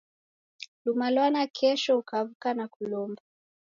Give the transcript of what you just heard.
Luma lwa nakesho ukawuka na kulomba.